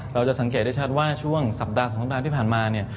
เราจะสังเกตได้ชัดว่าช่วงสัปดาห์๒สัปดาห์ที่ผ่านมาเนี่ย